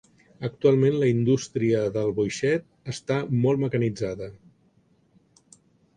Actualment la indústria del boixet està molt mecanitzada.